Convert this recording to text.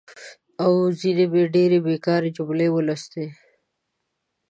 او ځینې مې ډېرې بېکاره جملې ولوستي.